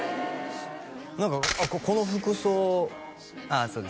何かあっこの服装ああそうです